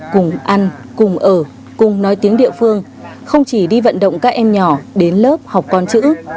cùng ăn cùng ở cùng nói tiếng địa phương không chỉ đi vận động các em nhỏ đến lớp học con chữ